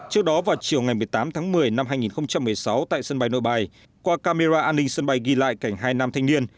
trước đó vào chiều ngày một mươi tám tháng một mươi năm hai nghìn một mươi sáu tại sân bay nội bài qua camera an ninh sân bay ghi lại cảnh hai nam thanh niên